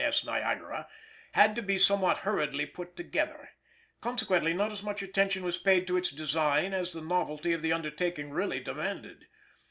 S. Niagara had to be somewhat hurriedly put together; consequently not as much attention was paid to its design as the novelty of the undertaking really demanded.